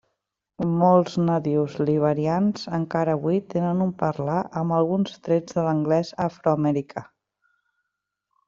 Molts nadius liberians encara avui tenen un parlar amb alguns trets de l'anglès afroamericà.